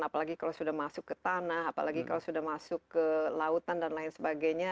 apalagi kalau sudah masuk ke tanah apalagi kalau sudah masuk ke lautan dan lain sebagainya